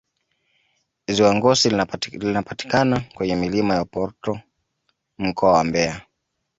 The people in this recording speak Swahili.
Ziwa Ngosi linapatikana kwenye milima ya Uporoto Mkoa wa Mbeya